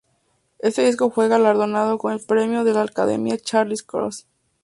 Este disco fue galardonado con el premio de la Academia Charles-Cros.